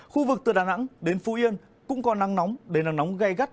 khu vực từ đà nẵng đến phú yên cũng có nắng nóng đến nắng nóng gây gắt